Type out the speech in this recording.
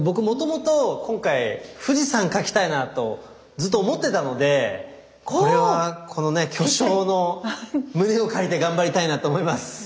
もともと今回富士山描きたいなとずっと思ってたのでこれはこの巨匠の胸を借りて頑張りたいなと思います。